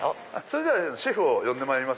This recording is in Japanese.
ではシェフを呼んでまいります